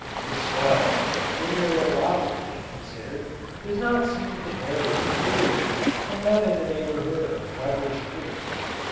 The soil, mineralogically considered, does not seem to vary materially from that in the neighbourhood of Weber's Creek.